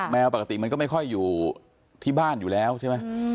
แมวปกติมันก็ไม่ค่อยอยู่ที่บ้านอยู่แล้วใช่ไหม